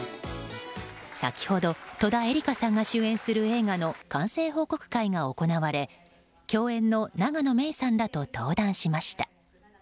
先ほど戸田恵梨香さんが主演する映画の完成報告会が行われ共演の永野芽郁さんらと登壇しました。